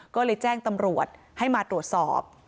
ก็เลยแจ้งตำรวจให้มาตรวจสอบ